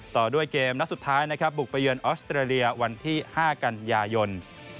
ต่อด้วยเกมนัดสุดท้ายนะครับบุกไปเยือนออสเตรเลียวันที่๕กันยายน